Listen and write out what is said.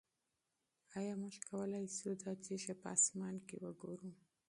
آیا موږ کولی شو دا تیږه په اسمان کې وګورو؟